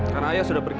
karena ayah sudah pergi